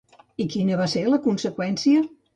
I quina va ser la conseqüència?